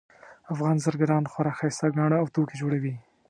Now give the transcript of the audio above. افغان زرګران خورا ښایسته ګاڼه او توکي جوړوي